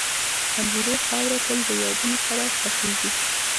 د هدیرې خاوره تل د یادونو سره ښخېږي..